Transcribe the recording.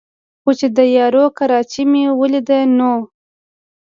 خو چې د یارو کراچۍ مې ولېده نو